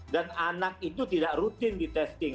dan anak itu tidak rutin di testing